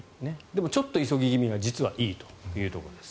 でもちょっと急ぎ気味が実はいいということです。